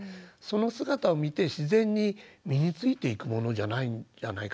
その姿を見て自然に身についていくものじゃないかなと思います。